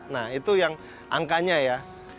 nah itu yang angkanya ya